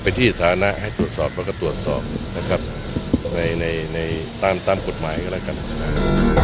ไปที่ฐานะให้ตรวจสอบเราก็ตรวจสอบนะครับตามกฎหมายก็แล้วกันนะครับ